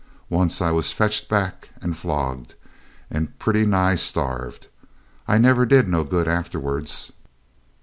Once I was fetched back and flogged, and pretty nigh starved. I never did no good afterwards.